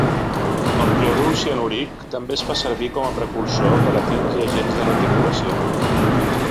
El clorur cianúric també es fa servir com a precursor per a tints i agents de reticulació.